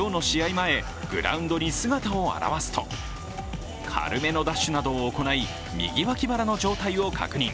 前、グラウンドに姿を現すと、軽めのダッシュなどを行い右脇腹の状態を確認。